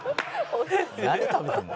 「何食べてるの？」